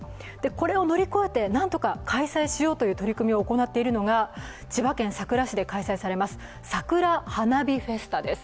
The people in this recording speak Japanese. これを乗り越えてなんとか開催しようという取り組みを行っているのが、千葉県佐倉市で開催されます佐倉花火フェスタです。